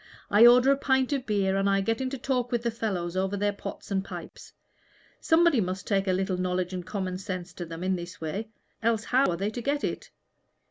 I order a pint of beer, and I get into talk with the fellows over their pots and pipes. Somebody must take a little knowledge and common sense to them in this way, else how are they to get it?